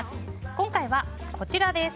今回はこちらです。